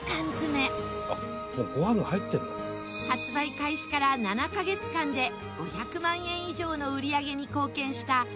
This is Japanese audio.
発売開始から７カ月間で５００万円以上の売り上げに貢献した大ヒット商品です。